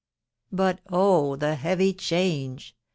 " But, oh ! the heavy change